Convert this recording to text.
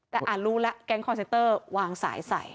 แต่อ่านรู้แล้วแก๊งคอนเซนเตอร์วางสายใส่